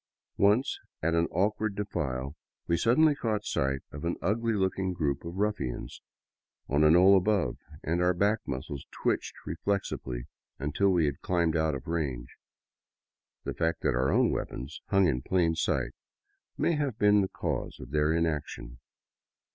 Once, at an awkward defile, we suddenly caught sight of an ugly looking group of ruffians on a knoll above, and our back muscles twitched reflexively until we had climbed out of range. The fact that our own weapons hung in plain sight may have been the cause of their inaction.